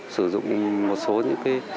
sử dụng một số những cái